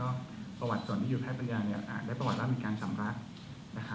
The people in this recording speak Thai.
แล้วก็ประวัติส่วนที่อยู่แพทย์ปัญญาเนี่ยได้ประวัติว่ามีการสำรัก